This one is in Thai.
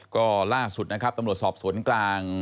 ก็ล่าสุดนะครับตำรวจสอบสวนกลาง